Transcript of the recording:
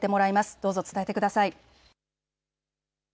どうぞ伝えてください。